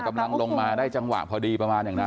กำลังลงมาได้จังหวะพอดีประมาณอย่างนั้น